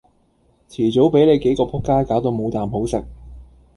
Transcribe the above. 遲早比你幾個仆街攪到冇啖好食